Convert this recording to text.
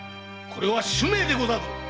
これは主命でござるぞ！